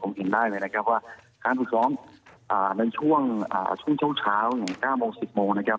ผมเห็นได้เลยนะครับว่าการฝึกซ้อมในช่วงเช้าถึง๙โมง๑๐โมงนะครับ